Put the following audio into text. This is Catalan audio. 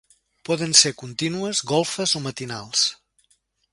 Poden ser contínues, golfes o matinals.